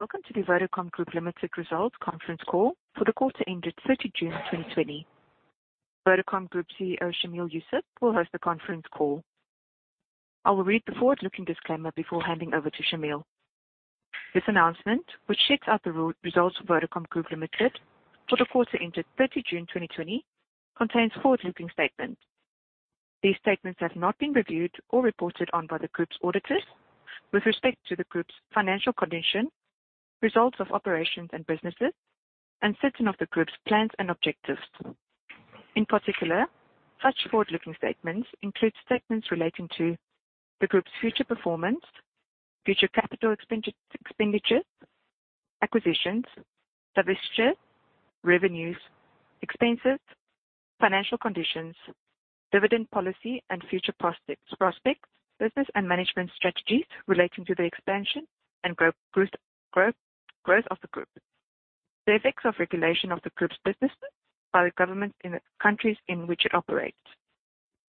Welcome to the Vodacom Group Limited results conference call for the quarter ended 30 June 2020. Vodacom Group CEO, Shameel Joosub, will host the conference call. I will read the forward-looking disclaimer before handing over to Shameel. This announcement, which sets out the results of Vodacom Group Limited for the quarter ended 30 June 2020, contains forward-looking statements. These statements have not been reviewed or reported on by the Group's auditors with respect to the Group's financial condition, results of operations and businesses, and certain of the Group's plans and objectives. In particular, such forward-looking statements include statements relating to the Group's future performance, future capital expenditures, acquisitions, divestitures, revenues, expenses, financial conditions, dividend policy and future prospects, business and management strategies relating to the expansion and growth of the Group. The effects of regulation of the Group's businesses by the government in the countries in which it operates.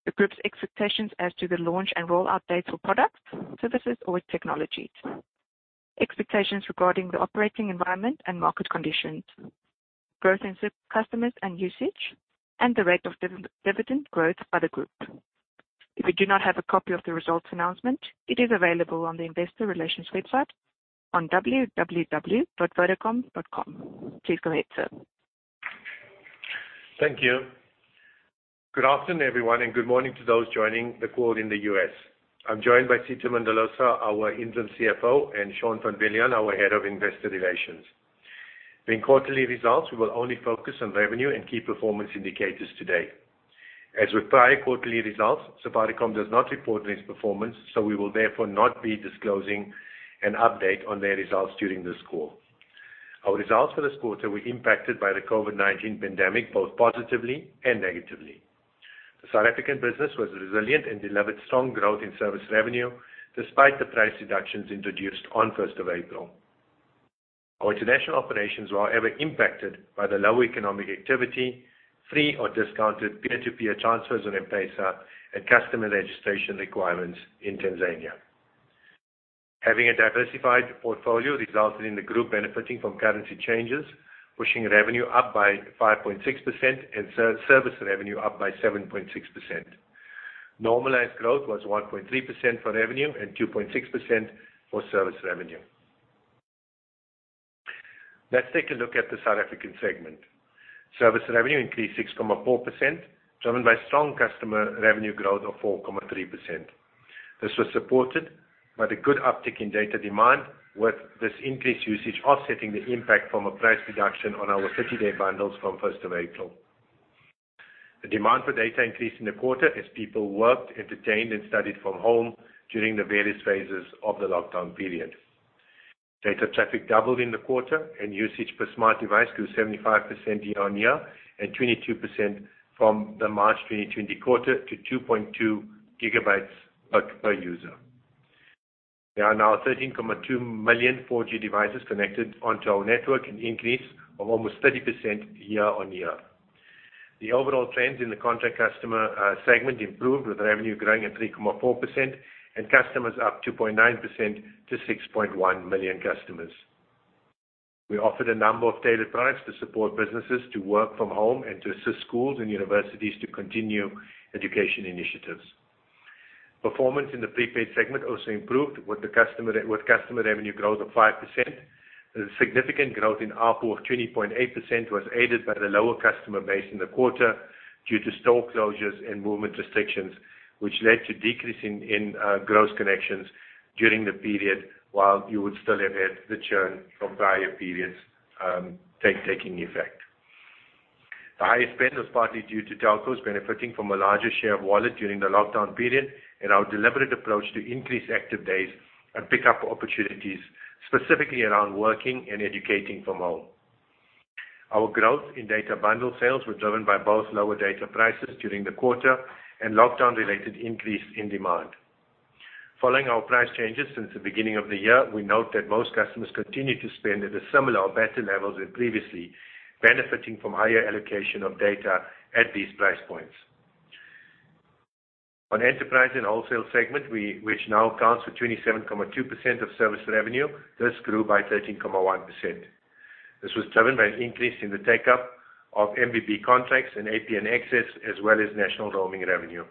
The Group's expectations as to the launch and rollout dates for products, services, or technologies. Expectations regarding the operating environment and market conditions, growth in customers and usage, and the rate of dividend growth by the Group. If you do not have a copy of the results announcement, it is available on the Investor Relations website on www.vodacom.com. Please go ahead, sir. Thank you. Good afternoon, everyone, good morning to those joining the call in the U.S. I'm joined by Sitho Mdlalose, our Interim CFO, and Shaun van Biljon, our Head of Investor Relations. Being quarterly results, we will only focus on revenue and key performance indicators today. As with prior quarterly results, Safaricom does not report its performance, we will therefore not be disclosing an update on their results during this call. Our results for this quarter were impacted by the COVID-19 pandemic, both positively and negatively. The South African business was resilient and delivered strong growth in service revenue, despite the price reductions introduced on 1st of April. Our international operations were, however, impacted by the low economic activity, free or discounted peer-to-peer transfers on M-PESA, and customer registration requirements in Tanzania. Having a diversified portfolio resulted in the Group benefiting from currency changes, pushing revenue up by 5.6% and service revenue up by 7.6%. Normalized growth was 1.3% for revenue and 2.6% for service revenue. Let's take a look at the South African segment. Service revenue increased 6.4%, driven by strong customer revenue growth of 4.3%. This was supported by the good uptick in data demand, with this increased usage offsetting the impact from a price reduction on our 30-day bundles from 1st of April. The demand for data increased in the quarter as people worked, entertained, and studied from home during the various phases of the lockdown period. Data traffic doubled in the quarter, and usage per smart device grew 75% year-on-year and 22% from the March 2020 quarter to 2.2 GB per user. There are now 13.2 million 4G devices connected onto our network, an increase of almost 30% year-on-year. The overall trends in the contract customer segment improved, with revenue growing at 3.4% and customers up 2.9% to 6.1 million customers. We offered a number of tailored products to support businesses to work from home and to assist schools and universities to continue education initiatives. Performance in the prepaid segment also improved with customer revenue growth of 5%. The significant growth in ARPU of 20.8% was aided by the lower customer base in the quarter due to store closures and movement restrictions, which led to decrease in gross connections during the period, while you would still have had the churn from prior periods taking effect. The higher spend was partly due to telcos benefiting from a larger share of wallet during the lockdown period and our deliberate approach to increase active days and pick up opportunities, specifically around working and educating from home. Our growth in data bundle sales were driven by both lower data prices during the quarter and lockdown-related increase in demand. Following our price changes since the beginning of the year, we note that most customers continue to spend at a similar or better levels than previously, benefiting from higher allocation of data at these price points. On enterprise and wholesale segment, which now accounts for 27.2% of service revenue, this grew by 13.1%. This was driven by an increase in the take-up of MBB contracts and APN access, as well as national roaming revenue.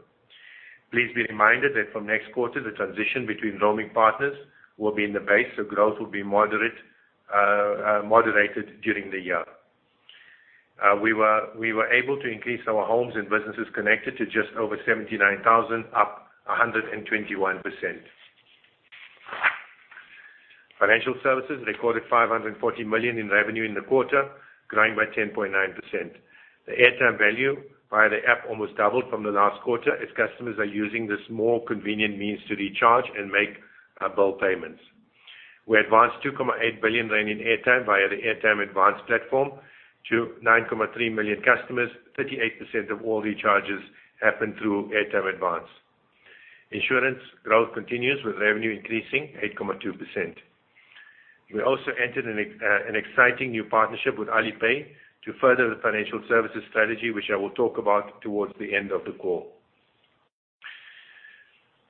Please be reminded that from next quarter, the transition between roaming partners will be in the base, so growth will be moderated during the year. We were able to increase our homes and businesses connected to just over 79,000 up 121%. Financial services recorded 540 million in revenue in the quarter, growing by 10.9%. The airtime value via the app almost doubled from the last quarter as customers are using this more convenient means to recharge and make bill payments. We advanced 2.8 billion rand in airtime via the Airtime Advance platform to 9.3 million customers. 38% of all recharges happen through Airtime Advance. Insurance growth continues with revenue increasing 8.2%. We also entered an exciting new partnership with Alipay to further the financial services strategy, which I will talk about towards the end of the call.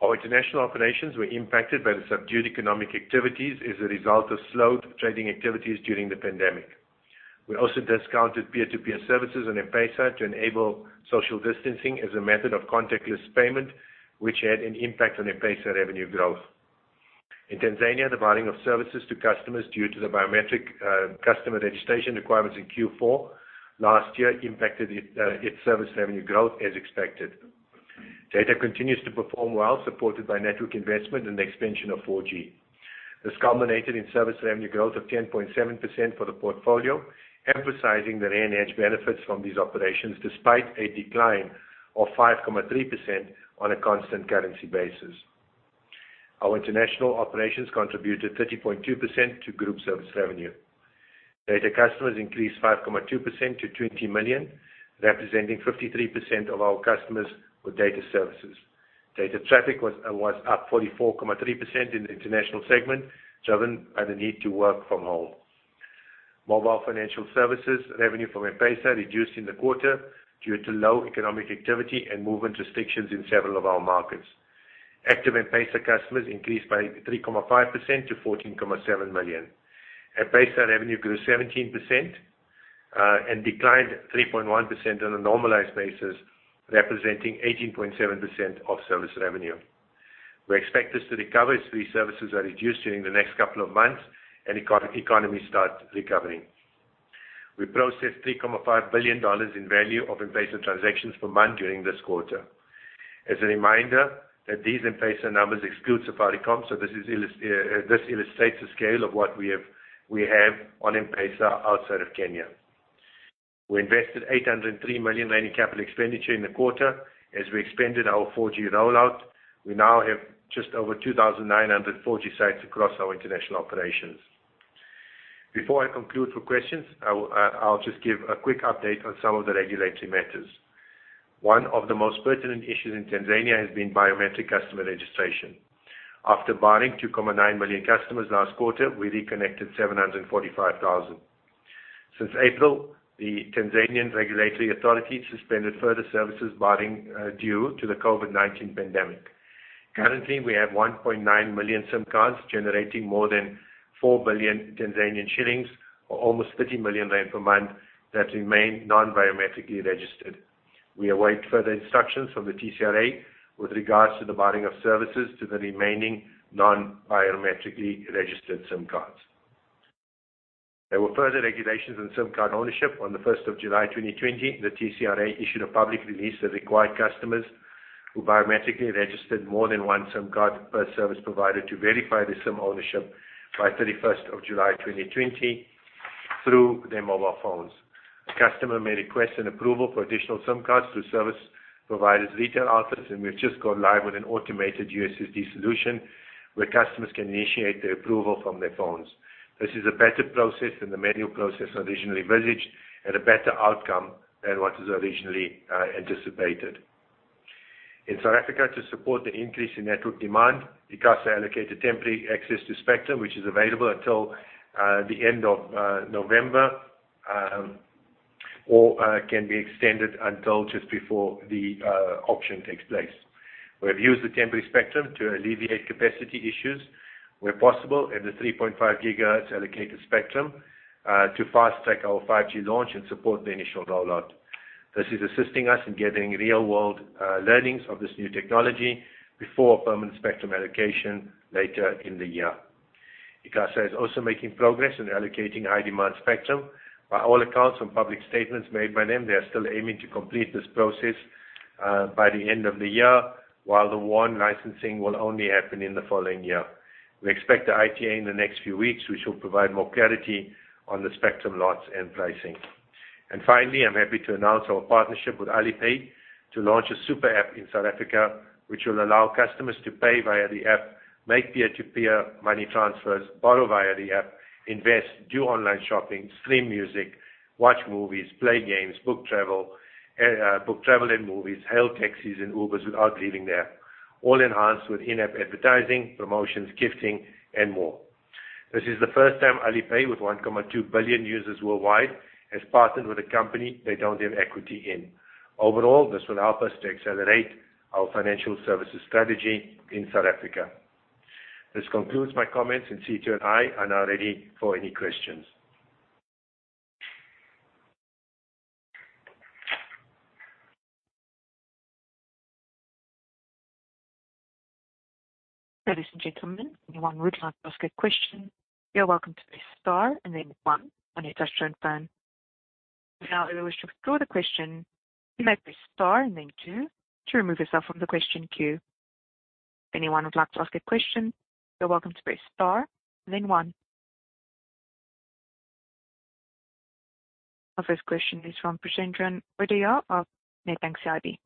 Our international operations were impacted by the subdued economic activities as a result of slowed trading activities during the pandemic. We also discounted peer-to-peer services on M-PESA to enable social distancing as a method of contactless payment, which had an impact on M-PESA revenue growth. In Tanzania, the barring of services to customers due to the biometric customer registration requirements in Q4 last year impacted its service revenue growth as expected. Data continues to perform well, supported by network investment and the expansion of 4G. This culminated in service revenue growth of 10.7% for the portfolio, emphasizing the rand hedge benefits from these operations, despite a decline of 5.3% on a constant currency basis. Our international operations contributed 30.2% to Group service revenue. Data customers increased 5.2% to 20 million, representing 53% of our customers with data services. Data traffic was up 44.3% in the international segment, driven by the need to work from home. Mobile financial services revenue from M-PESA reduced in the quarter due to low economic activity and movement restrictions in several of our markets. Active M-PESA customers increased by 3.5% to 14.7 million. M-PESA revenue grew 17% and declined 3.1% on a normalized basis, representing 18.7% of service revenue. We expect this to recover as these services are reduced during the next couple of months and economies start recovering. We processed $3.5 billion in value of M-PESA transactions per month during this quarter. A reminder that these M-PESA numbers exclude Safaricom. This illustrates the scale of what we have on M-PESA outside of Kenya. We invested 803 million rand in capital expenditure in the quarter as we expanded our 4G rollout. We now have just over 2,940 sites across our international operations. Before I conclude for questions, I'll just give a quick update on some of the regulatory matters. One of the most pertinent issues in Tanzania has been biometric customer registration. After barring 2.9 million customers last quarter, we reconnected 745,000. Since April, the Tanzanian Regulatory Authority suspended further services barring due to the COVID-19 pandemic. Currently, we have 1.9 million SIM cards generating more than TZS 4 billion or almost 30 million rand per month that remain non-biometrically registered. We await further instructions from the TCRA with regards to the barring of services to the remaining non-biometrically registered SIM cards. There were further regulations on SIM card ownership. On the 1st of July 2020, the TCRA issued a public release that required customers who biometrically registered more than one SIM card per service provider to verify the SIM ownership by 31st of July 2020 through their mobile phones. A customer may request an approval for additional SIM cards through service providers' retail outlets, and we've just gone live with an automated USSD solution where customers can initiate the approval from their phones. This is a better process than the manual process originally envisaged and a better outcome than what was originally anticipated. In South Africa, to support the increase in network demand, ICASA allocated temporary access to spectrum, which is available until the end of November or can be extended until just before the auction takes place. We have used the temporary spectrum to alleviate capacity issues where possible in the 3.5 GHz allocated spectrum to fast-track our 5G launch and support the initial rollout. This is assisting us in getting real-world learnings of this new technology before permanent spectrum allocation later in the year. ICASA is also making progress in allocating high-demand spectrum. By all accounts and public statements made by them, they are still aiming to complete this process by the end of the year, while the WOAN licensing will only happen in the following year. We expect the ITA in the next few weeks, which will provide more clarity on the spectrum lots and pricing. Finally, I'm happy to announce our partnership with Alipay to launch a super app in South Africa, which will allow customers to pay via the app, make peer-to-peer money transfers, borrow via the app, invest, do online shopping, stream music, watch movies, play games, book travel and movies, hail taxis and Ubers without leaving the app, all enhanced with in-app advertising, promotions, gifting, and more. This is the first time Alipay, with 1.2 billion users worldwide, has partnered with a company they don't have equity in. Overall, this will help us to accelerate our financial services strategy in South Africa. This concludes my comments, and Sitho and I are now ready for any questions. Ladies and gentlemen, if you want to ask a question, you are welcome to press star and then one on your touch-tone phone. If you now wish to withdraw the question, you may press star and then two to remove yourself from the question queue. If anyone would like to ask a question, you are welcome to press star and then one. Our first question is from Preshendran Odayar of Nedbank CIB.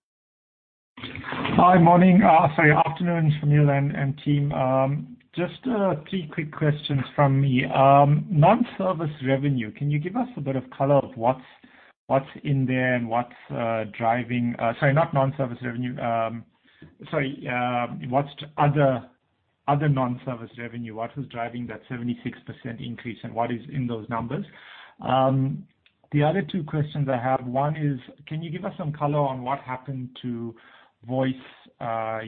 Hi. Morning. Sorry, afternoon, Shameel and team. Just three quick questions from me. Non-service revenue. Can you give us a bit of color of what's in there and what's driving. Sorry, not non-service revenue. Sorry, what other, other non-service revenue, what is driving that 76% increase and what is in those numbers? The other two questions I have, one is, can you give us some color on what happened to voice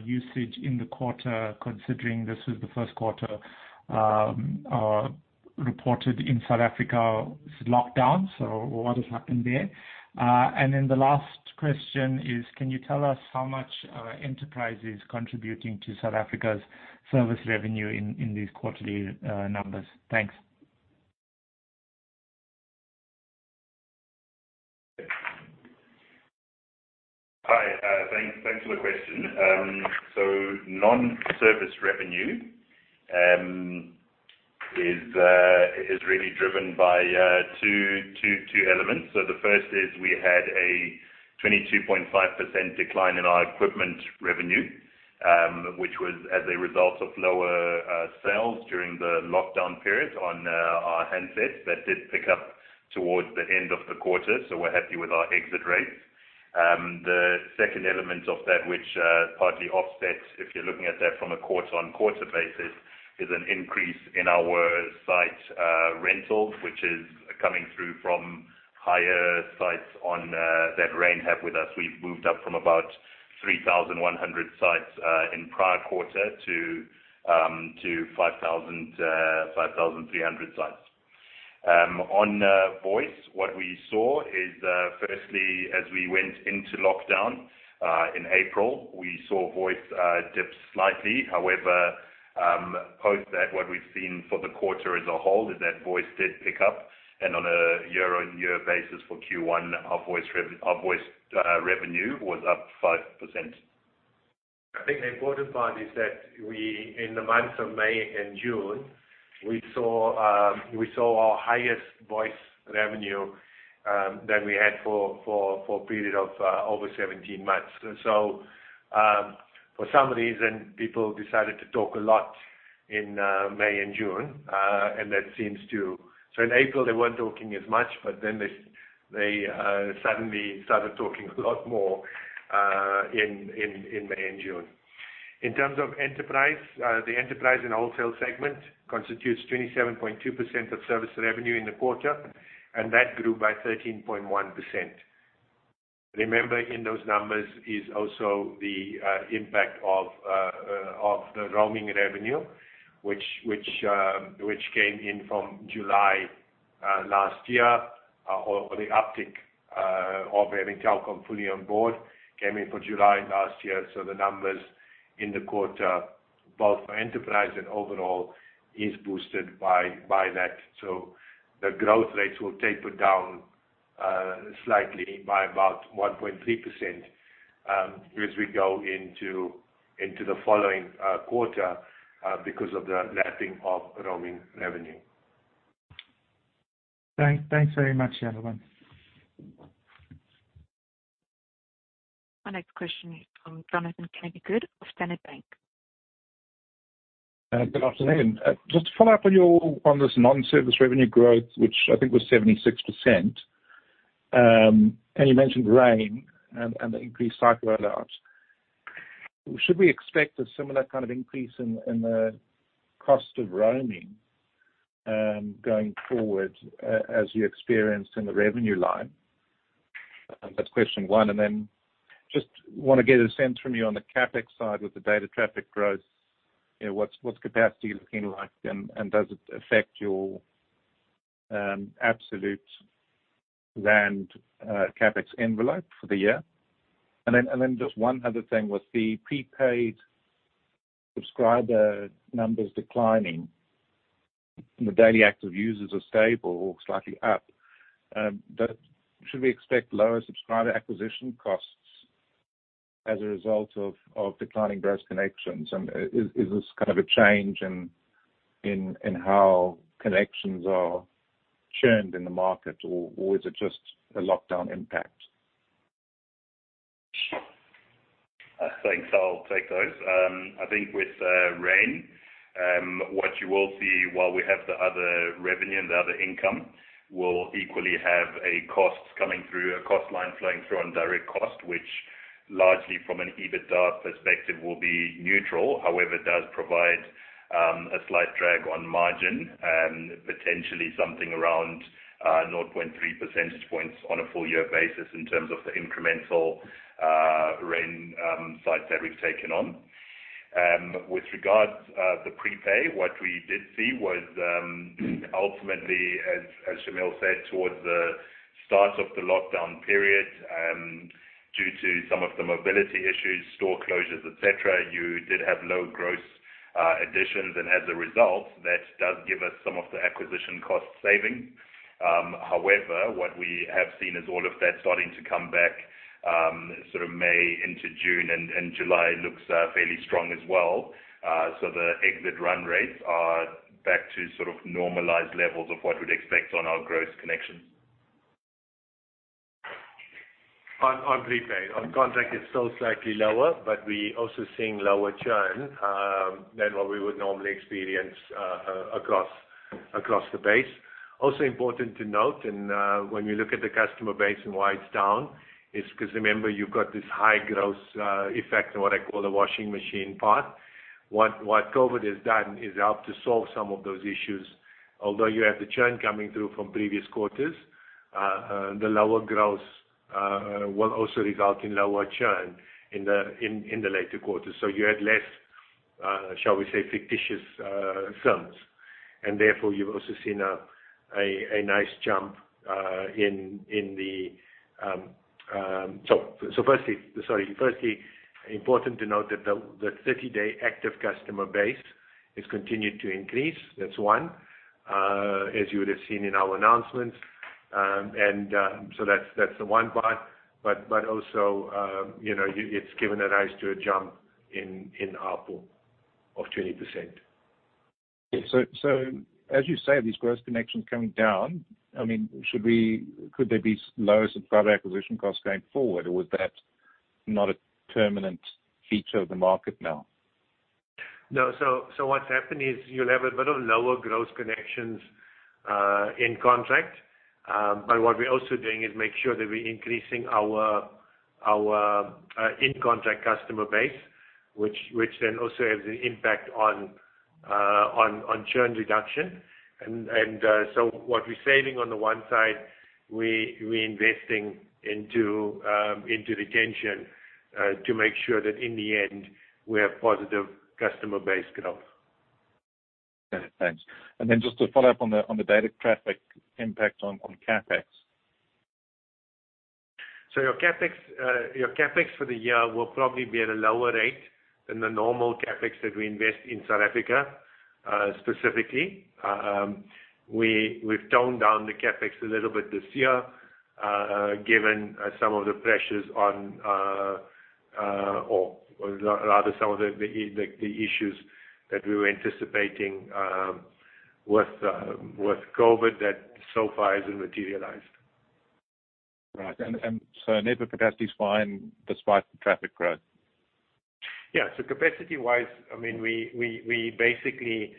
usage in the quarter, considering this was the first quarter reported in South Africa's lockdown. What has happened there? The last question is, can you tell us how much enterprise is contributing to South Africa's service revenue in these quarterly numbers? Thanks. Hi. Thanks for the question. Non-service revenue is really driven by two elements. The first is we had a 22.5% decline in our equipment revenue, which was as a result of lower sales during the lockdown period on our handsets. That did pick up towards the end of the quarter, so we're happy with our exit rates. The second element of that, which partly offsets if you're looking at that from a quarter-on-quarter basis, is an increase in our site rentals, which is coming through from higher sites that Rain have with us. We've moved up from about 3,100 sites in prior quarter to 5,300 sites. On voice, what we saw is, firstly, as we went into lockdown in April, we saw voice dip slightly. However, post that, what we've seen for the quarter as a whole is that voice did pick up, and on a year-on-year basis for Q1, our voice revenue was up 5%. I think the important part is that we, in the months of May and June, we saw our highest voice revenue than we had for a period of over 17 months. For some reason, people decided to talk a lot in May and June. In April, they weren't talking as much, they suddenly started talking a lot more in May and June. In terms of enterprise, the enterprise and wholesale segment constitutes 27.2% of service revenue in the quarter, that grew by 13.1%. Remember, in those numbers is also the impact of the roaming revenue, which came in from July last year, or the uptick of having Telkom fully on board, came in for July last year. The numbers in the quarter, both for enterprise and overall, is boosted by that. The growth rates will taper down slightly by about 1.3% as we go into the following quarter because of the lapping of roaming revenue. Thanks very much, gentlemen. Our next question is from Jonathan Kennedy-Good of Standard Bank. Good afternoon. Just to follow up on this non-service revenue growth, which I think was 76%, and you mentioned Rain and the increased site roll-outs. Should we expect a similar kind of increase in the cost of roaming, going forward, as you experienced in the revenue line? That's question one. Just want to get a sense from you on the CapEx side with the data traffic growth. What's capacity looking like and does it affect your absolute rand CapEx envelope for the year? Just one other thing. With the prepaid subscriber numbers declining and the daily active users are stable or slightly up, should we expect lower subscriber acquisition costs as a result of declining gross connections? Is this kind of a change in how connections are churned in the market, or is it just a lockdown impact? I think I'll take those. I think with Rain, what you will see, while we have the other revenue and the other income, we'll equally have a cost coming through, a cost line flowing through on direct cost, which largely from an EBITDA perspective will be neutral. However, it does provide a slight drag on margin, potentially something around 0.3 percentage points on a full-year basis in terms of the incremental Rain sites that we've taken on. With regards the prepaid, what we did see was, ultimately, as Shameel said, towards the start of the lockdown period, due to some of the mobility issues, store closures, et cetera, you did have low gross additions. As a result, that does give us some of the acquisition cost saving. What we have seen is all of that starting to come back sort of May into June, and July looks fairly strong as well. The exit run rates are back to sort of normalized levels of what we'd expect on our gross connections. On prepaid. On contract, it's still slightly lower, but we're also seeing lower churn than what we would normally experience across the base. Important to note, when you look at the customer base and why it's down, it's because remember, you've got this high gross effect and what I call the washing machine part. What COVID has done is helped to solve some of those issues. Although you have the churn coming through from previous quarters, the lower gross will also result in lower churn in the later quarters. You had less, shall we say, fictitious sales. Firstly, important to note that the 30-day active customer base has continued to increase. That's one, as you would have seen in our announcements. That's the one part, but also, it's given a nice good jump in ARPU of 20%. Yeah. As you say, these gross connections coming down, could there be lower subscriber acquisition costs going forward or was that not a permanent feature of the market now? No. What's happened is you'll have a bit of lower gross connections in contract. What we're also doing is make sure that we're increasing our in-contract customer base, which then also has an impact on churn reduction. What we're saving on the one side, we're investing into retention to make sure that in the end, we have positive customer base growth. Okay, thanks. Just to follow up on the data traffic impact on CapEx. Your CapEx for the year will probably be at a lower rate than the normal CapEx that we invest in South Africa, specifically. We've toned down the CapEx a little bit this year, given some of the pressures on, or rather some of the issues that we were anticipating with COVID that so far hasn't materialized. Right. Network capacity is fine despite the traffic growth? Yeah. Capacity-wise, we basically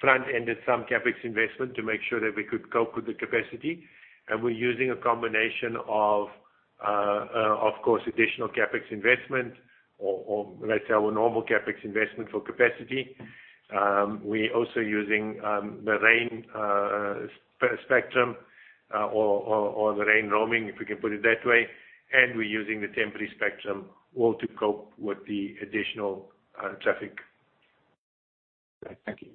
front-ended some CapEx investment to make sure that we could cope with the capacity. We're using a combination of course, additional CapEx investment or let's say our normal CapEx investment for capacity. We're also using the Rain spectrum or the Rain roaming, if we can put it that way, and we're using the temporary spectrum all to cope with the additional traffic. Right. Thank you.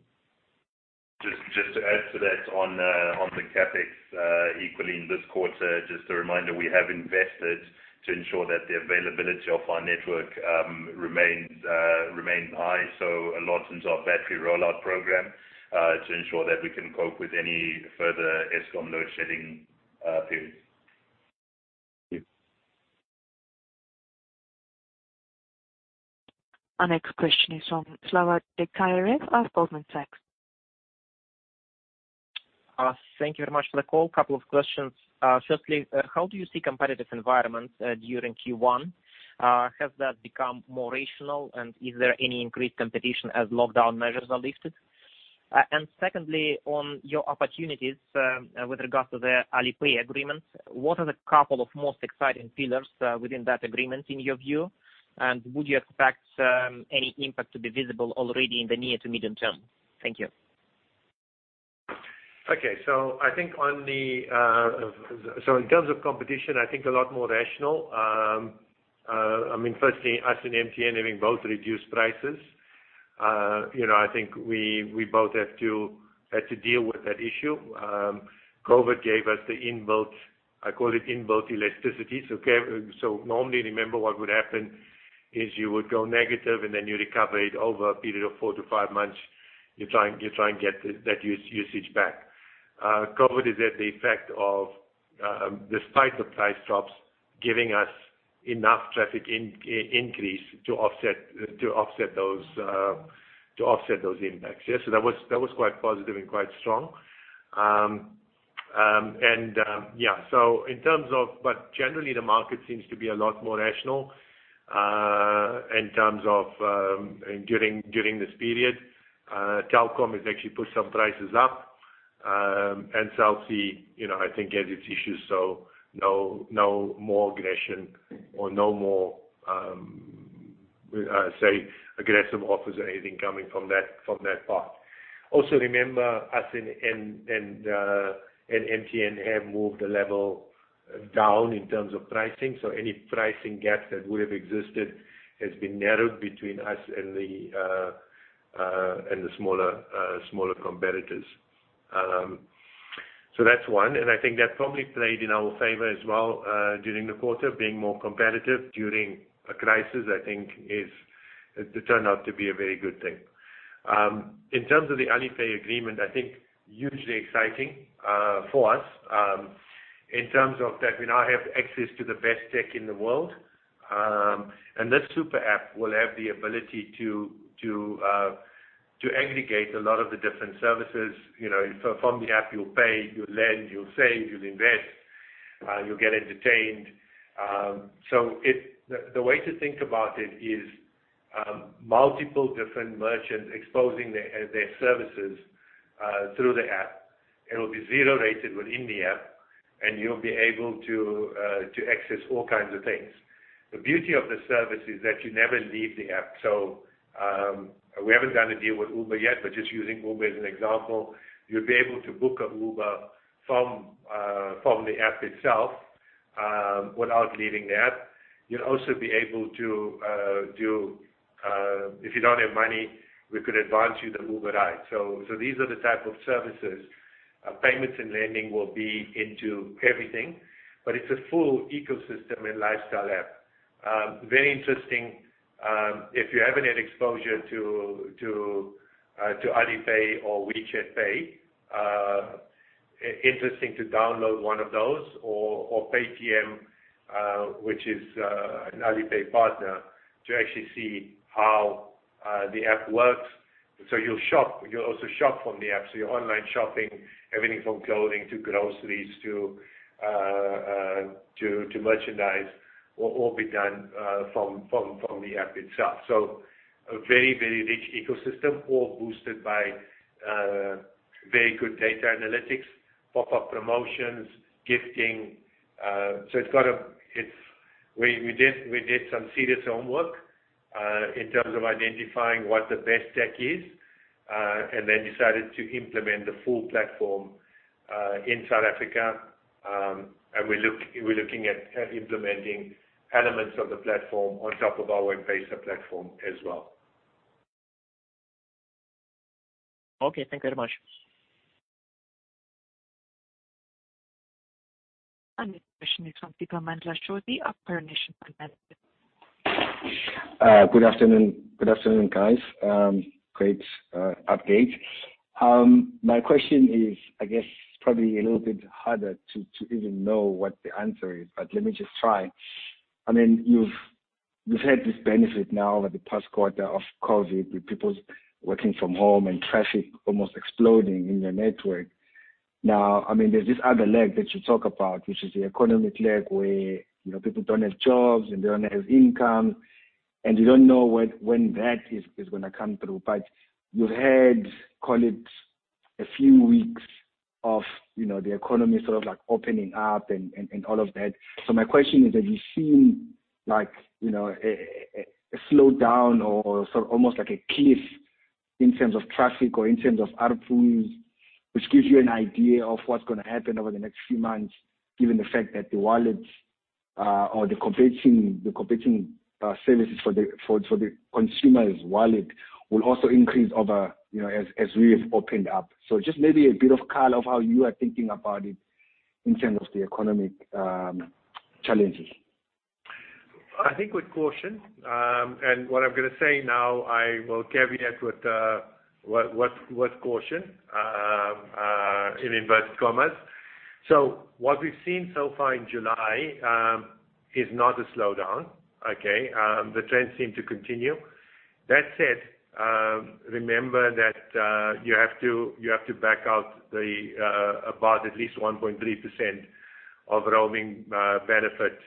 Just to add to that on the CapEx, equally in this quarter, just a reminder, we have invested to ensure that the availability of our network remains high. A lot into our battery rollout program, to ensure that we can cope with any further Eskom load-shedding periods. Thank you. Our next question is from Slava Degtyarev of Goldman Sachs. Thank you very much for the call. Couple of questions. Firstly, how do you see competitive environments during Q1? Has that become more rational, is there any increased competition as lockdown measures are lifted? Secondly, on your opportunities with regards to the Alipay agreement, what are the couple of most exciting pillars within that agreement in your view, and would you expect any impact to be visible already in the near to medium term? Thank you. In terms of competition, I think a lot more rational. Firstly, us and MTN having both reduced prices. I think we both had to deal with that issue. COVID gave us the inbuilt, I call it inbuilt elasticity. Normally, remember what would happen is you would go negative and then you recover it over a period of four to five months. You try and get that usage back. COVID had the effect of, despite the price drops, giving us enough traffic increase to offset those impacts. That was quite positive and quite strong. Generally, the market seems to be a lot more rational during this period. Telkom has actually put some prices up. Cell C, I think, has its issues, no more aggression or no more, say aggressive offers or anything coming from that part. Remember, us and MTN have moved a level down in terms of pricing. Any pricing gap that would have existed has been narrowed between us and the smaller competitors. That's one, I think that probably played in our favor as well during the quarter. Being more competitive during a crisis, I think it turned out to be a very good thing. In terms of the Alipay agreement, I think hugely exciting for us in terms of that we now have access to the best tech in the world. This super app will have the ability to aggregate a lot of the different services. From the app, you'll pay, you'll lend, you'll save, you'll invest. You'll get entertained. The way to think about it is, multiple different merchants exposing their services through the app. It'll be zero-rated within the app, and you'll be able to access all kinds of things. The beauty of the service is that you never leave the app. We haven't done a deal with Uber yet, but just using Uber as an example, you'll be able to book an Uber from the app itself, without leaving the app. You'll also be able to do, if you don't have money, we could advance you the Uber ride. These are the type of services. Payments and lending will be into everything, but it's a full ecosystem and lifestyle app. Very interesting. If you haven't had exposure to Alipay or WeChat Pay, interesting to download one of those, or Paytm, which is an Alipay partner, to actually see how the app works. You'll also shop from the app. Your online shopping, everything from clothing to groceries to merchandise, will all be done from the app itself. A very, very rich ecosystem all boosted by very good data analytics, pop-up promotions, gifting. We did some serious homework, in terms of identifying what the best tech is, and then decided to implement the full platform, in South Africa. We're looking at implementing elements of the platform on top of our M-PESA platform as well. Okay. Thank you very much. The next question is from Siphamandla Shozi of Coronation Fund Managers. Good afternoon. Good afternoon, guys. Great update. My question is, I guess, probably a little bit harder to even know what the answer is. Let me just try. You've had this benefit now over the past quarter of COVID, with people working from home and traffic almost exploding in your network. There's this other leg that you talk about, which is the economic leg where people don't have jobs and they don't have income, and you don't know when that is going to come through. You've had, call it, a few weeks of the economy sort of opening up and all of that. My question is, have you seen a slowdown or almost like a cliff in terms of traffic or in terms of ARPUs, which gives you an idea of what's going to happen over the next few months, given the fact that the wallets or the competing services for the consumer's wallet will also increase over as we've opened up? Just maybe a bit of color of how you are thinking about it in terms of the economic challenges. I think with caution. What I'm going to say now, I will caveat with caution, in inverted commas. What we've seen so far in July, is not a slowdown, okay? The trends seem to continue. That said, remember that you have to back out about at least 1.3% of roaming benefit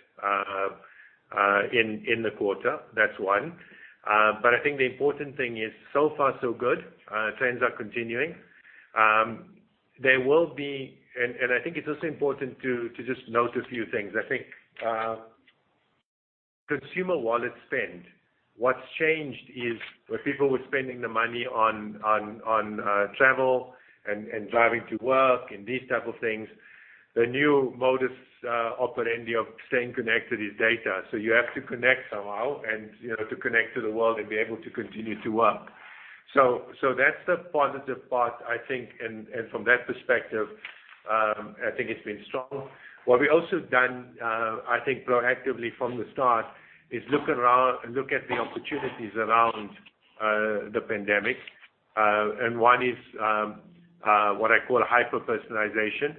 in the quarter. That's one. I think the important thing is, so far so good. Trends are continuing. I think it's also important to just note a few things. I think consumer wallet spend, what's changed is where people were spending the money on travel and driving to work and these type of things, the new modus operandi of staying connected is data. You have to connect somehow and to connect to the world and be able to continue to work. That's the positive part, I think, and from that perspective, I think it's been strong. What we've also done, I think, proactively from the start, is look at the opportunities around the pandemic. One is what I call hyper-personalization.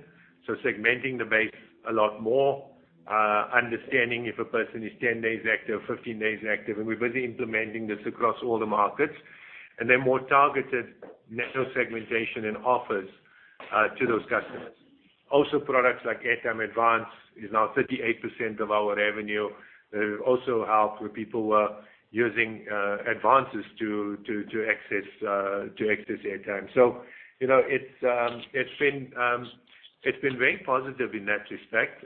Segmenting the base a lot more, understanding if a person is 10 days active, 15 days active, and we're busy implementing this across all the markets, and then more targeted micro segmentation and offers to those customers. Products like Airtime Advance is now 38% of our revenue. They've also helped with people using advances to access airtime. It's been very positive in that respect.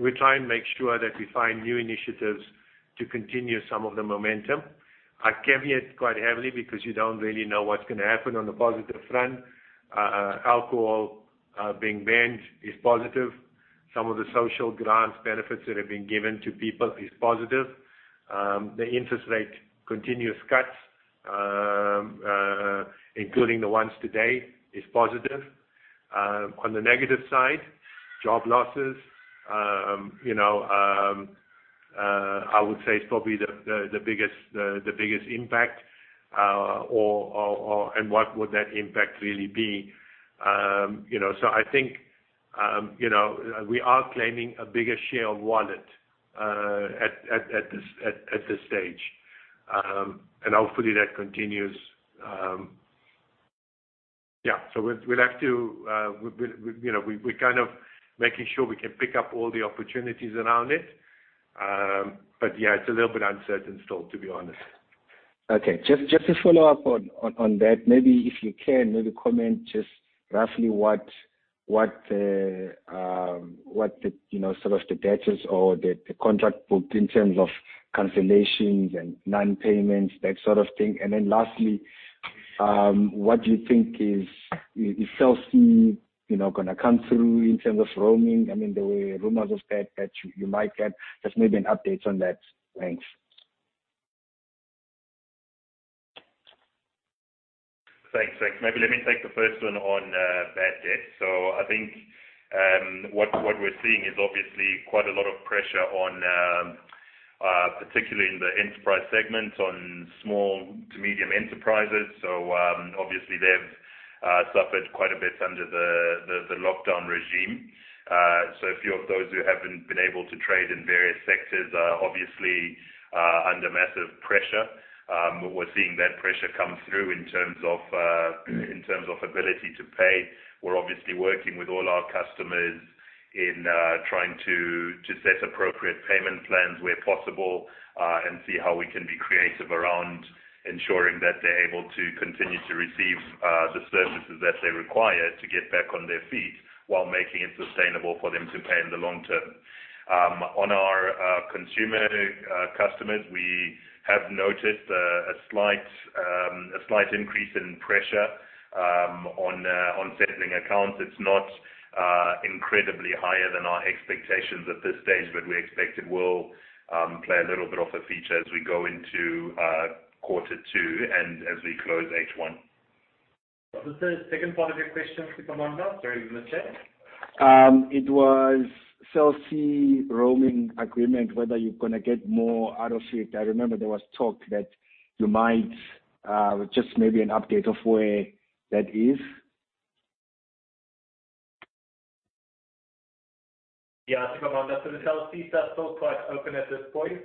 We try and make sure that we find new initiatives to continue some of the momentum. I caveat quite heavily because you don't really know what's going to happen on the positive front. Alcohol being banned is positive. Some of the social grants benefits that have been given to people is positive. The interest rate continuous cuts, including the ones today, is positive. On the negative side, job losses, I would say is probably the biggest impact. What would that impact really be? I think, we are claiming a bigger share of wallet at this stage. Hopefully, that continues. Yeah. We're making sure we can pick up all the opportunities around it. It's a little bit uncertain still, to be honest. Okay. Just to follow-up on that, maybe if you can comment just roughly what the sort of the debtors or the contract book in terms of cancellations and non-payments, that sort of thing. Lastly, what do you think is Cell C going to come through in terms of roaming? There were rumors that you might get just maybe an update on that. Thanks. Thanks. Maybe let me take the first one on bad debt. I think what we're seeing is obviously quite a lot of pressure, particularly in the enterprise segment, on small to medium enterprises. Obviously they've suffered quite a bit under the lockdown regime. A few of those who haven't been able to trade in various sectors are obviously under massive pressure. We're seeing that pressure come through in terms of ability to pay. We're obviously working with all our customers in trying to set appropriate payment plans where possible, and see how we can be creative around ensuring that they're able to continue to receive the services that they require to get back on their feet while making it sustainable for them to pay in the long term. On our consumer customers, we have noticed a slight increase in pressure on settling accounts. It's not incredibly higher than our expectations at this stage, but we expect it will play a little bit of a feature as we go into quarter two and as we close H1. Was the second part of your question, Siphamandla, sorry we missed that? It was Cell C roaming agreement, whether you're going to get more out of it. I remember there was talk that you might, just maybe an update of where that is. Siphamandla, the Cell C stuff's still quite open at this point.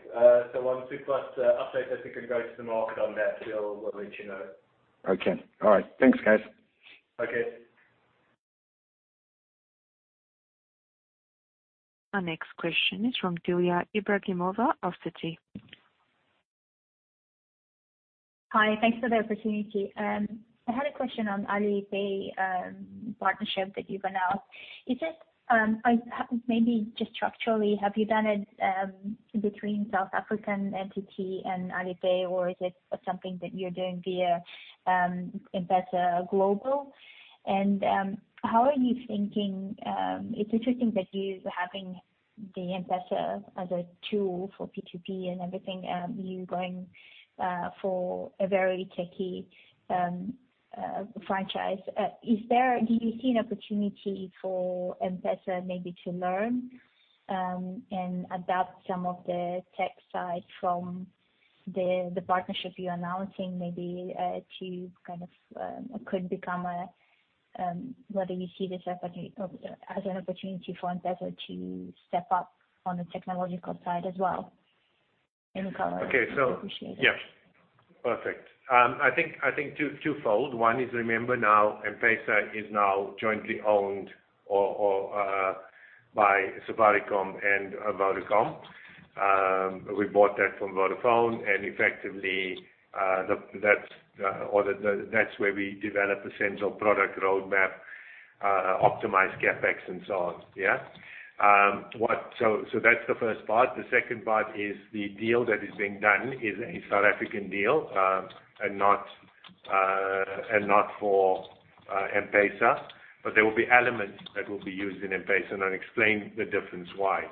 Once we've got a update that we can go to the market on that, we'll let you know. Okay. All right. Thanks, guys. Okay. Our next question is from Dilya Ibragimova of Citi. Hi. Thanks for the opportunity. I had a question on Alipay partnership that you've announced. Just structurally, have you done it between South African entity and Alipay, or is it something that you're doing via M-PESA Global? How are you thinking, it's interesting that you're having the M-PESA as a tool for P2P and everything, you going for a very techy franchise. Do you see an opportunity for M-PESA maybe to learn and adapt some of the tech side from the partnership you're announcing? Whether you see this as an opportunity for M-PESA to step up on the technological side as well? Any comment would be appreciated. Perfect. I think twofold. One is, remember now, M-PESA is now jointly owned by Safaricom and Vodafone. We bought that from Vodafone, and effectively, that's where we develop a central product roadmap, optimize CapEx and so on. That's the first part. The second part is the deal that is being done is a South African deal, and not for M-PESA. There will be elements that will be used in M-PESA and I'll explain the difference why.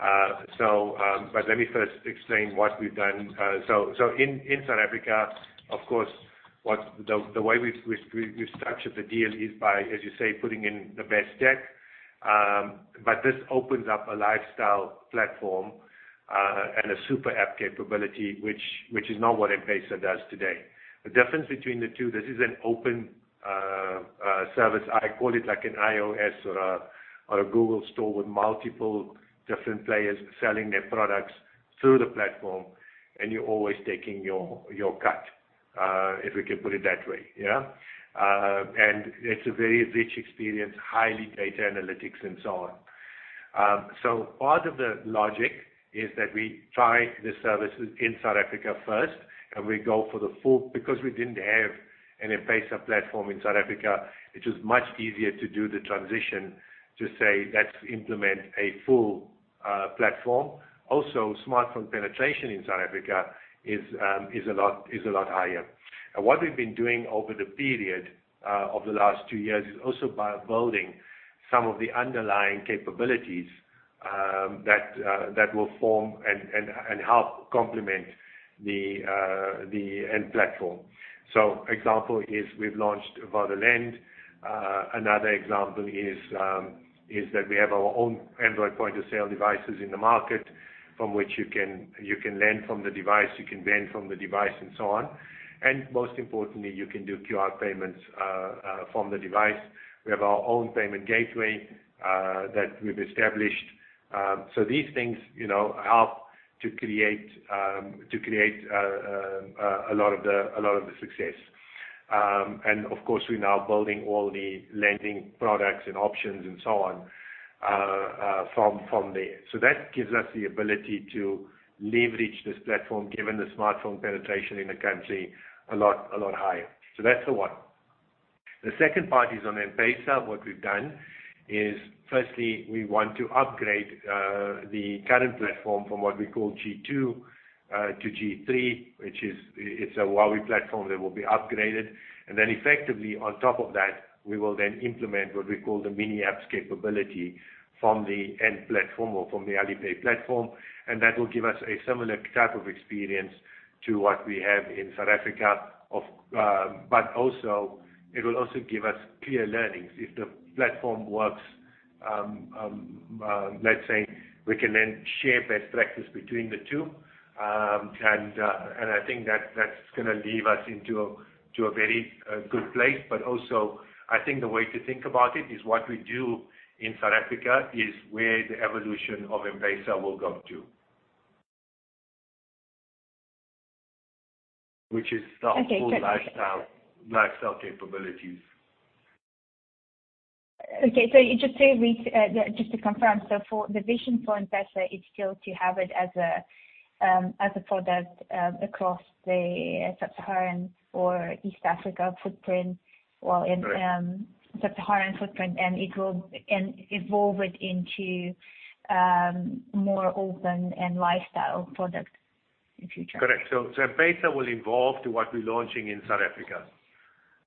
Let me first explain what we've done. In South Africa, of course, the way we've structured the deal is by, as you say, putting in the best tech. This opens up a lifestyle platform, and a super app capability, which is not what M-PESA does today. The difference between the two, this is an open service. I call it like an iOS or a Google Store with multiple different players selling their products through the platform, and you're always taking your cut, if we can put it that way. Yeah. It's a very rich experience, highly data analytics and so on. Part of the logic is that we try the services in South Africa first, and we go for the full, because we didn't have an M-PESA platform in South Africa, it was much easier to do the transition to say, "Let's implement a full platform." Also, smartphone penetration in South Africa is a lot higher. What we've been doing over the period of the last two years is also by building some of the underlying capabilities that will form and help complement the end platform. Example is we've launched VodaLend. Another example is that we have our own Android point of sale devices in the market from which you can lend from the device and so on. Most importantly, you can do QR payments from the device. We have our own payment gateway that we've established. These things help to create a lot of the success. Of course, we're now building all the lending products and options and so on from there. That gives us the ability to leverage this platform, given the smartphone penetration in the country a lot higher. That's the one. The second part is on M-PESA. What we've done is, firstly, we want to upgrade the current platform from what we call G2 to G3, which is a Huawei platform that will be upgraded. Effectively, on top of that, we will then implement what we call the mini apps capability from the end platform or from the Alipay platform. That will give us a similar type of experience to what we have in South Africa. Also, it will also give us clear learnings. If the platform works, let's say we can then share best practice between the two. I think that's going to leave us into a very good place. Also, I think the way to think about it is what we do in South Africa is where the evolution of M-PESA will go to, which is the whole lifestyle capabilities. Okay. Just to confirm, so for the vision for M-PESA, it's still to have it as a product across the Sub-Saharan or East Africa footprint. Right. Well, in Sub-Saharan footprint, and evolve it into more open-end lifestyle product in future. Correct. M-PESA will evolve to what we're launching in South Africa.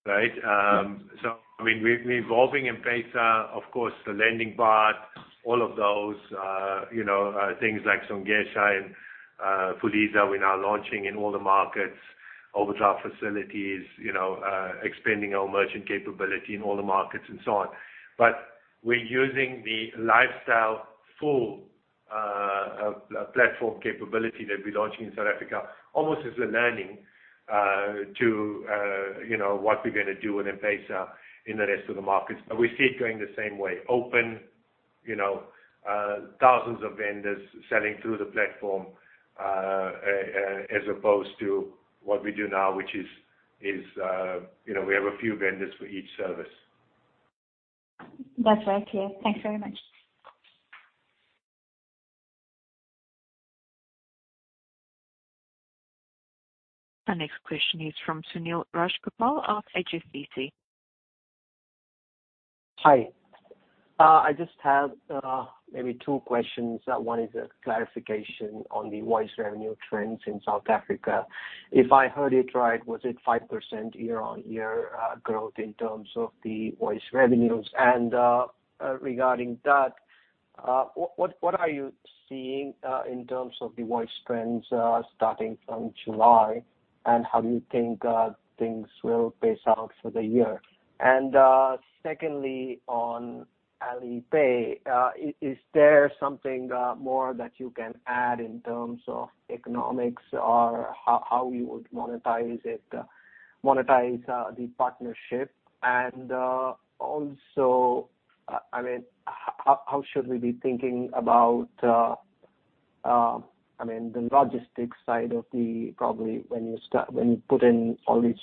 Right? I mean, we're evolving M-PESA, of course, the lending part, all of those things like Songesha and Fuliza we're now launching in all the markets, overdraft facilities, expanding our merchant capability in all the markets and so on. We're using the lifestyle full platform capability that we're launching in South Africa almost as a learning to what we're gonna do with M-PESA in the rest of the markets. We see it going the same way. Open, thousands of vendors selling through the platform, as opposed to what we do now, which is we have a few vendors for each service. That's very clear. Thanks very much. The next question is from Sunil Rajgopal of HSBC. Hi. I just have maybe two questions. One is a clarification on the voice revenue trends in South Africa. If I heard it right, was it 5% year-on-year growth in terms of the voice revenues? Regarding that, what are you seeing in terms of the voice trends starting from July, and how do you think things will pace out for the year? Secondly, on Alipay, is there something more that you can add in terms of economics or how you would monetize the partnership? Also, how should we be thinking about the logistics side of the, probably when you put in all these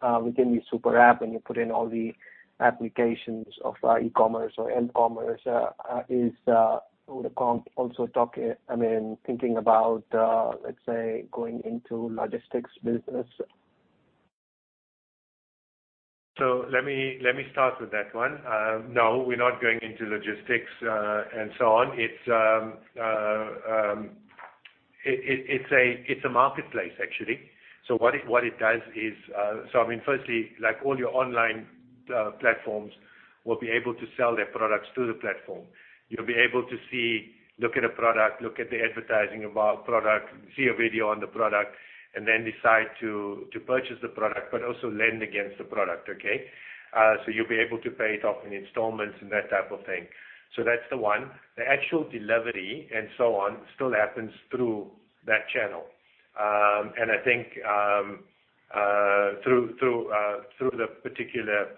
within the super app, when you put in all the applications of e-commerce or m-commerce, is Vodacom also thinking about, let's say, going into logistics business? Let me start with that one. No, we're not going into logistics and so on. It's a marketplace, actually. What it does is, firstly, like all your online platforms, will be able to sell their products through the platform. You'll be able to see, look at a product, look at the advertising of our product, see a video on the product, and then decide to purchase the product, but also lend against the product. Okay? You'll be able to pay it off in installments and that type of thing. That's the one. The actual delivery and so on still happens through that channel. I think, through the particular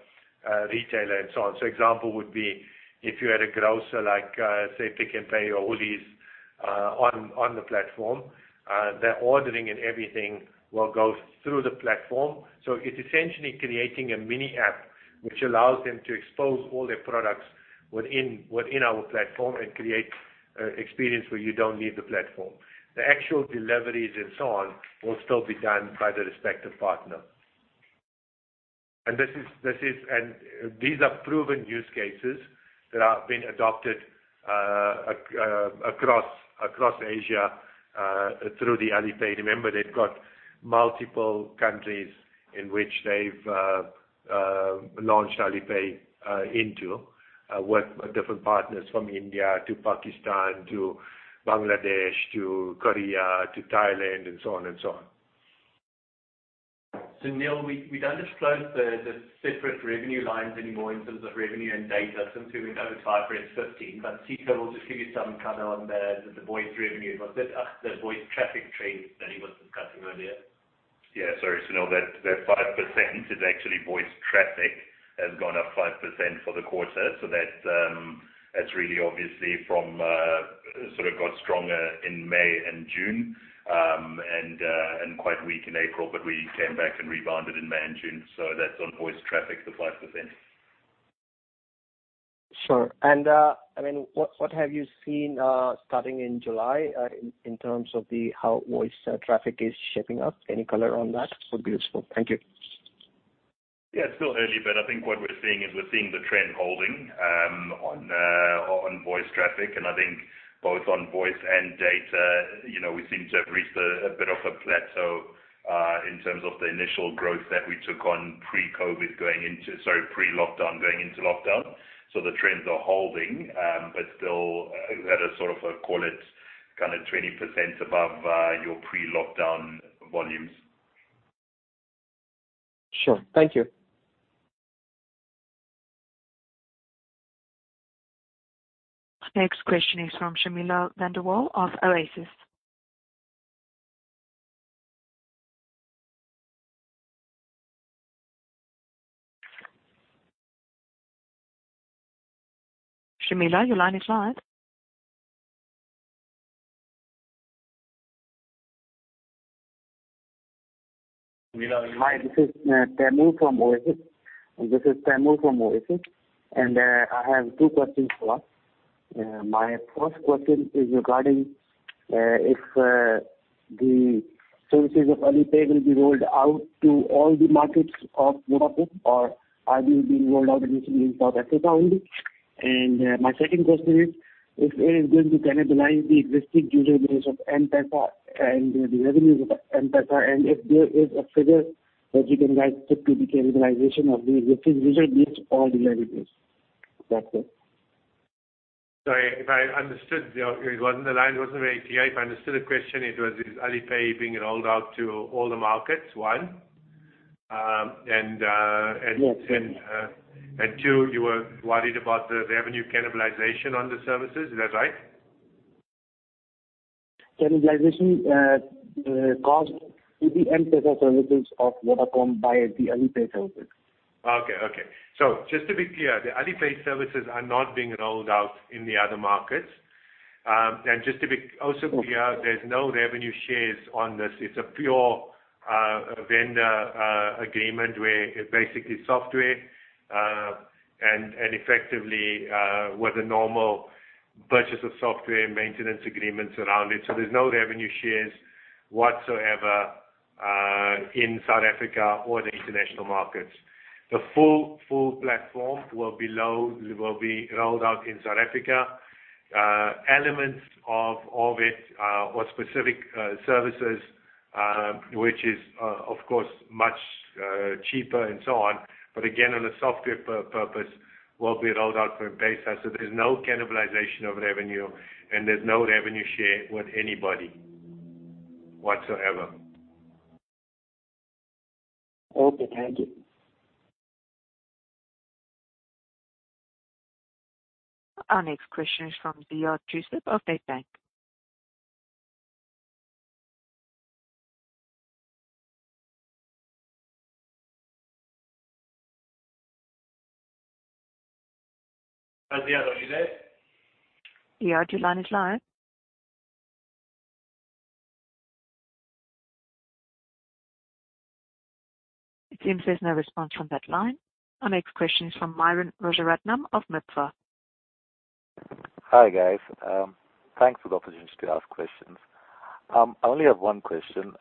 retailer and so on. Example would be if you had a grocer like, say, Pick n Pay or Woolies on the platform, their ordering and everything will go through the platform. It's essentially creating a mini app which allows them to expose all their products within our platform and create experience where you don't leave the platform. The actual deliveries and so on will still be done by the respective partner. These are proven use cases that have been adopted across Asia through the Alipay. Remember, they've got multiple countries in which they've launched Alipay into with different partners from India to Pakistan to Bangladesh to Korea to Thailand and so on. Sunil, we don't disclose the separate revenue lines anymore in terms of revenue and data since we went over IFRS 15. Sitho will just give you some color on the voice revenue, what's the voice traffic trends that he was discussing earlier? Yeah, sorry, Sunil. That 5% is actually voice traffic has gone up 5% for the quarter. That's sort of got stronger in May and June, and quite weak in April, but we came back and rebounded in May and June. That's on voice traffic, the 5%. Sure. What have you seen starting in July in terms of how voice traffic is shaping up? Any color on that would be useful. Thank you. It's still early, I think what we're seeing is we're seeing the trend holding on voice traffic. I think both on voice and data, we seem to have reached a bit of a plateau in terms of the initial growth that we took on pre-COVID going into, sorry, pre-lockdown going into lockdown. The trends are holding, but still at a sort of, call it 20% above your pre-lockdown volumes. Sure. Thank you. Next question is from Shamiela van der Wal of Oasis. Shamiela, your line is live. Shamiela, are you there? Hi, this is [Tamiel] from Oasis. I have two questions for us. My first question is regarding if the services of Alipay will be rolled out to all the markets of Vodafone or are they being rolled out initially in South Africa only? My second question is, if it is going to cannibalize the existing user base of M-PESA and the revenues of M-PESA, and if there is a figure that you can guide as to the cannibalization of the existing user base or the revenues. That's it. Sorry, if I understood, the line wasn't very clear. If I understood the question, it was, is Alipay being rolled out to all the markets, one. Yes. Two, you were worried about the revenue cannibalization on the services, is that right? Cannibalization cost to the M-PESA services of Vodacom by the Alipay services. Just to be clear, the Alipay services are not being rolled out in the other markets. Just to be also clear, there's no revenue shares on this. It's a pure vendor agreement where basically software, and effectively with a normal purchase of software maintenance agreement around it. There's no revenue shares whatsoever in South Africa or the international markets. The full platform will be rolled out in South Africa. Elements of it or specific services, which is, of course, much cheaper and so on, but again, on a software purpose, will be rolled out for M-PESA. There's no cannibalization of revenue, and there's no revenue share with anybody whatsoever. Okay, thank you. Our next question is from Ziyad Joosub of Nedbank. Hi, Ziyad. Are you there? Ziyad, your line is live. It seems there's no response from that line. Our next question is from Myuran Rajaratnam of MIBFA. Hi, guys. Thanks for the opportunity to ask questions. I only have one question.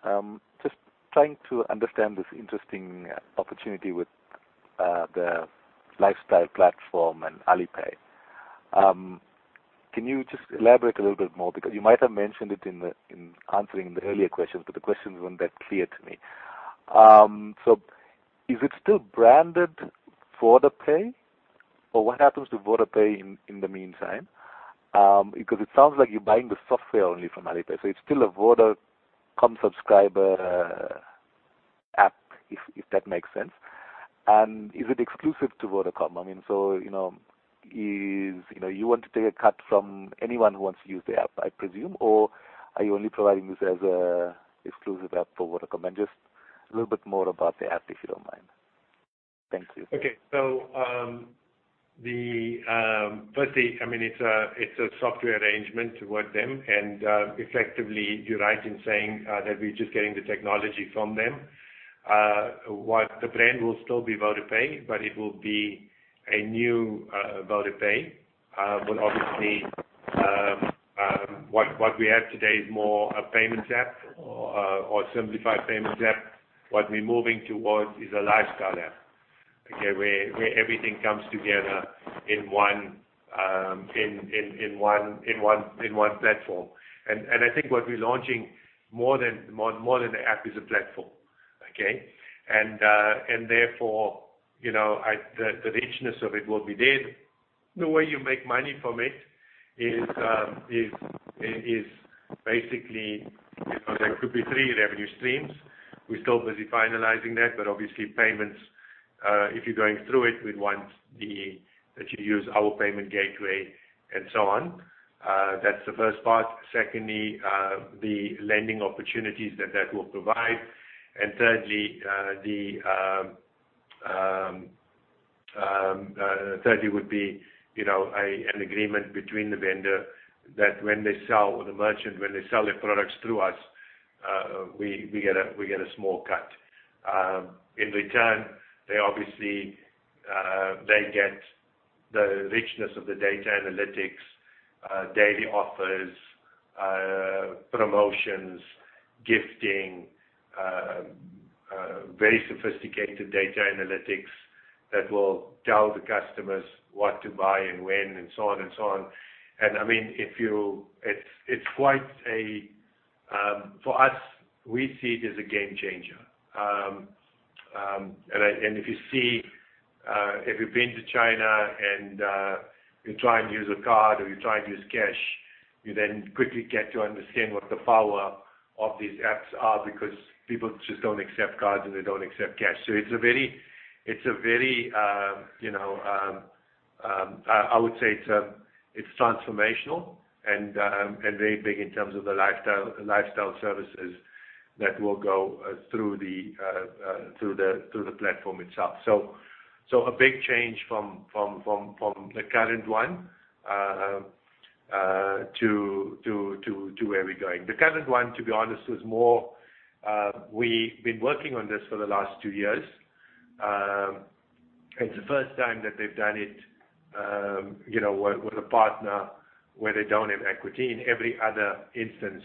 Trying to understand this interesting opportunity with the lifestyle platform and Alipay. Can you just elaborate a little bit more? You might have mentioned it in answering the earlier questions, but the questions weren't that clear to me. Is it still branded VodaPay? What happens to VodaPay in the meantime? It sounds like you're buying the software only from Alipay. It's still a Vodacom subscriber app, if that makes sense. Is it exclusive to Vodacom? You want to take a cut from anyone who wants to use the app, I presume, or are you only providing this as an exclusive app for Vodacom? Just a little bit more about the app, if you don't mind. Thank you. Firstly, it's a software arrangement with them. Effectively, you're right in saying that we're just getting the technology from them. The brand will still be VodaPay, but it will be a new VodaPay. Obviously, what we have today is more a payments app or a simplified payments app. What we're moving towards is a lifestyle app, where everything comes together in one platform. I think what we're launching more than the app is a platform. Therefore, the richness of it will be there. The way you make money from it is basically, there could be three revenue streams. We're still busy finalizing that but obviously payments, if you're going through it, we'd want that you use our payment gateway and so on. That's the first part. Secondly, the lending opportunities that will provide. Thirdly would be, an agreement between the vendor that when they sell, or the merchant, when they sell their products through us, we get a small cut. In return, they obviously get the richness of the data analytics, daily offers, promotions, gifting, very sophisticated data analytics that will tell the customers what to buy and when, and so on. For us, we see it as a game changer. If you've been to China and you try and use a card or you try and use cash, you then quickly get to understand what the power of these apps are, because people just don't accept cards and they don't accept cash. I would say it's transformational and very big in terms of the lifestyle services that will go through the platform itself. The current one, to be honest, we've been working on this for the last two years. It's the first time that they've done it, with a partner where they don't have equity. In every other instance,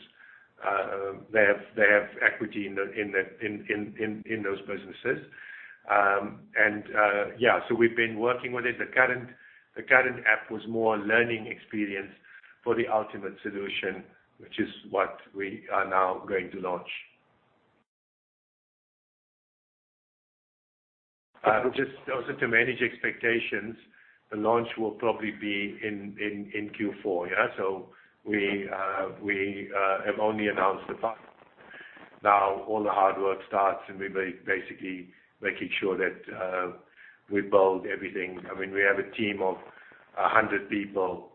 they have equity in those businesses. Yeah, we've been working with it. The current app was more a learning experience for the ultimate solution, which is what we are now going to launch. Just also to manage expectations, the launch will probably be in Q4, yeah? We have only announced the partner. Now all the hard work starts, and we're basically making sure that we build everything. We have a team of 100 people,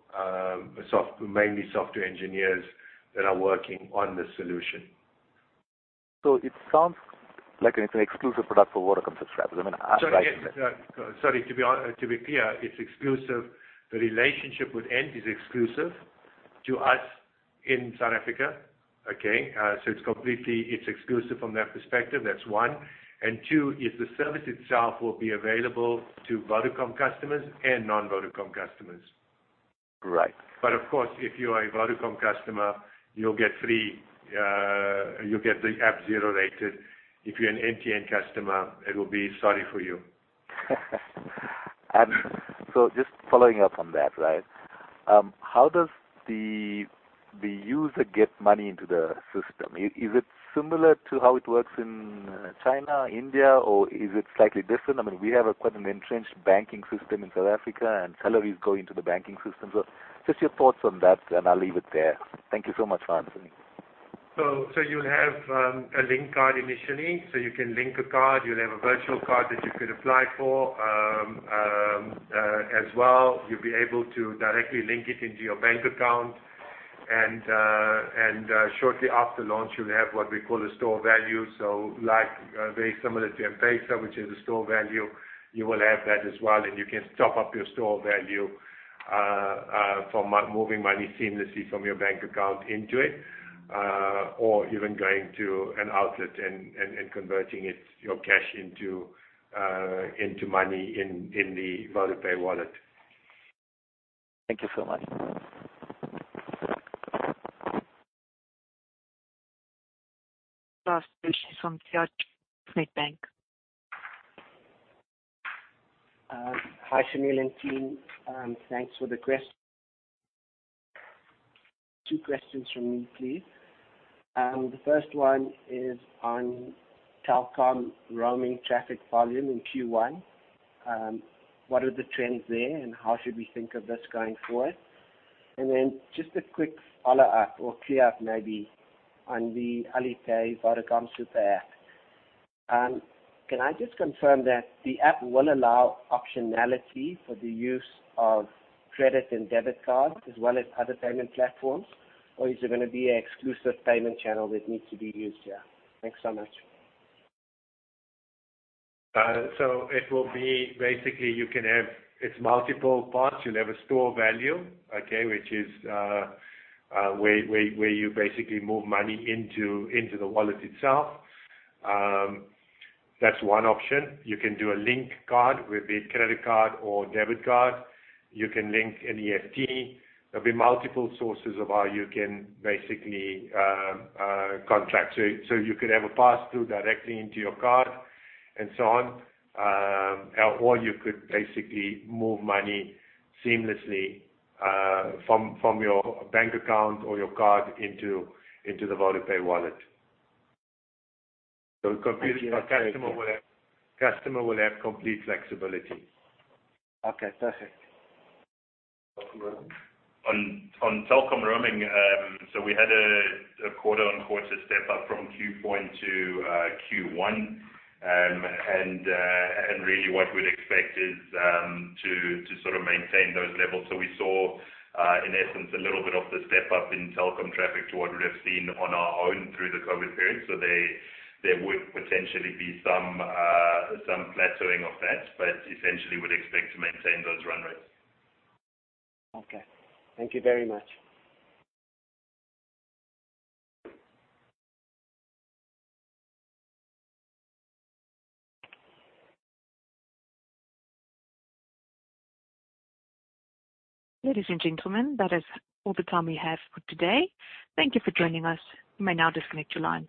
mainly software engineers, that are working on this solution. It sounds like it's an exclusive product for Vodacom subscribers. I mean, Sorry. To be clear, it's exclusive. The relationship with Ant is exclusive to us in South Africa. Okay? It's exclusive from that perspective. That's one. Two, if the service itself will be available to Vodacom customers and non-Vodacom customers. Right. Of course, if you're a Vodacom customer, you'll get the app zero rated. If you're an MTN customer, it will be sorry for you. Just following up on that, right. How does the user get money into the system? Is it similar to how it works in China, India, or is it slightly different? We have quite an entrenched banking system in South Africa, and salaries go into the banking system. Just your thoughts on that, and I'll leave it there. Thank you so much for answering. You'll have a link card initially. You can link a card. You'll have a virtual card that you could apply for. As well, you'll be able to directly link it into your bank account. Shortly after launch, you'll have what we call a stored value. Very similar to M-PESA, which is a stored value. You will have that as well, and you can top up your stored value from moving money seamlessly from your bank account into it. Even going to an outlet and converting your cash into money in the VodaPay wallet. Thank you so much. Last question from Ziyad Joosub Nedbank. Hi, Shameel and team. Thanks for the question, two questions from me, please. The first one is on Telkom roaming traffic volume in Q1. What are the trends there, and how should we think of this going forward? Just a quick follow-up, or clear-up maybe, on the Alipay Vodacom super app. Can I just confirm that the app will allow optionality for the use of credit and debit cards as well as other payment platforms? Is it going to be an exclusive payment channel that needs to be used here? Thanks so much. It will be, basically you can have its multiple parts. You'll have a stored value, okay, which is where you basically move money into the wallet itself. That's one option. You can do a link card with a credit card or debit card. You can link an EFT. There'll be multiple sources of how you can basically contract. You could have a pass through directly into your card and so on. Or you could basically move money seamlessly from your bank account or your card into the VodaPay wallet. Customer will have complete flexibility. Okay, perfect. Telkom. On Telkom roaming, we had a quarter-on-quarter step-up from Q4 to Q1. Really what we'd expect is to sort of maintain those levels. We saw, in essence, a little bit of the step-up in Telkom traffic to what we'd have seen on our own through the COVID period. There would potentially be some plateauing of that, but essentially we'd expect to maintain those run rates. Okay. Thank you very much. Ladies and gentlemen, that is all the time we have for today. Thank you for joining us. You may now disconnect your line.